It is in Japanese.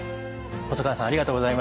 細川さんありがとうございました。